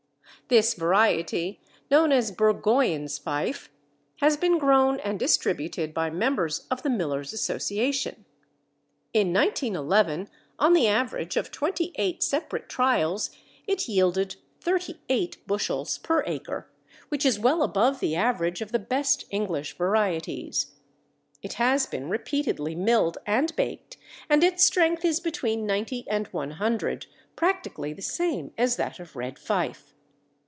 This variety, known as Burgoyne's Fife, has been grown and distributed by members of the Millers' Association. In 1911 on the average of 28 separate trials it yielded 38 bushels per acre, which is well above the average of the best English varieties. It has been repeatedly milled and baked, and its strength is between 90 and 100, practically the same as that of Red Fife.